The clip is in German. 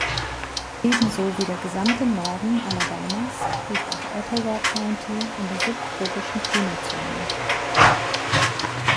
Ebenso wie der gesamte Norden Alabamas liegt auch Etowah County in der subtropischen Klimazone.